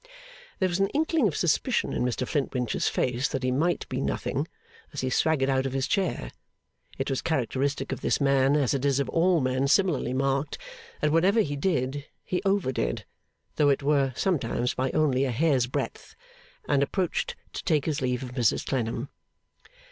There was an inkling of suspicion in Mr Flintwinch's face that he might be nothing, as he swaggered out of his chair (it was characteristic of this man, as it is of all men similarly marked, that whatever he did, he overdid, though it were sometimes by only a hairsbreadth), and approached to take his leave of Mrs Clennam.